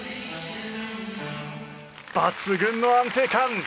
抜群の安定感！